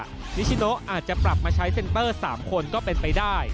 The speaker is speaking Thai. นิชิโนอาจจะปรับมาใช้เซ็นเตอร์๓คนก็เป็นไปได้